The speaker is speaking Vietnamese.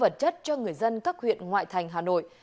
nâng cao đời sống vật chất cho người dân các huyện ngoại thành hà nội